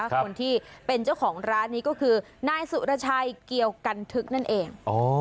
คนที่เป็นเจ้าของร้านนี้ก็คือนายสุรชัยเกี่ยวกันทึกนั่นเอง